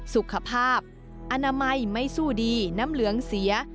สุขภาพอนามัยไม่สู้ดีน้ำเหลืองเสีย